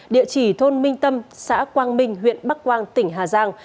địa chỉ thôn minh tâm xã quang minh huyện bắc quang tỉnh hà giang